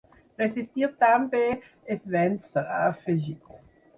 Resistir també és vèncer, ha afegit.